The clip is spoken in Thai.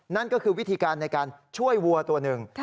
นั่นก็คือวิธีการในการช่วยวัวตัวหนึ่ง